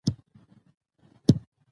چې ګړدود څنګه منځ ته راځي؟